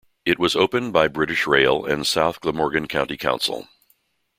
It was opened by British Rail and South Glamorgan County Council.